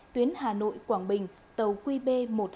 tuyến hà nội quảng bình tàu qb một mươi hai